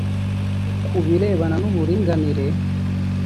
Ku birebana n’ uburinganire